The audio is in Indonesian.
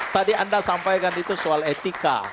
saya sudah sampaikan itu soal etika